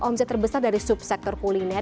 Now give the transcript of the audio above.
omset terbesar dari subsektor kuliner